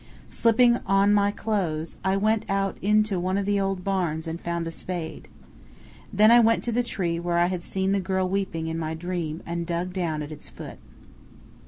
Slipping on my clothes, I went out into one of the old barns and found a spade. Then I went to the tree where I had seen the girl weeping in my dream and dug down at its foot.